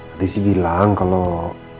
ada si bilang kalau